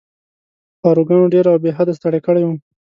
پاروګانو ډېر او بې حده ستړی کړی وم.